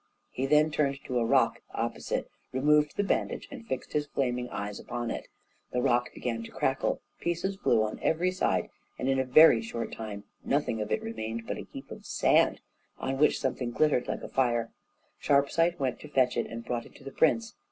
He then turned to a rock opposite, removed the bandage, and fixed his flaming eyes upon it; the rock began to crackle, pieces flew on every side, and in a very short time nothing of it remained but a heap of sand, on which something glittered like fire. Sharpsight went to fetch it, and brought it to the prince.